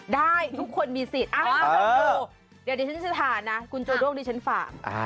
ได้ทุกคนมีสิทธิ์เดี๋ยวดิฉันจะทานนะคุณโจโดรกดิฉันฝ่า